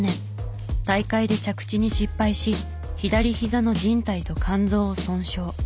大会で着地に失敗し左ひざの靱帯と肝臓を損傷。